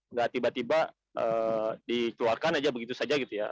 nggak tiba tiba dikeluarkan aja begitu saja gitu ya